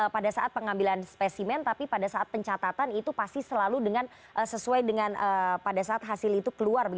pada saat pengambilan spesimen tapi pada saat pencatatan itu pasti selalu sesuai dengan pada saat hasil itu keluar